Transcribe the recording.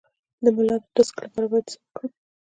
د ملا د ډیسک لپاره باید څه وکړم؟